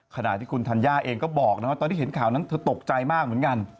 ขณะที่คุณธัญญาเองก็บอกนะว่าตอนที่เห็นข่าวนั้นเธอตกใจมากเหมือนกัน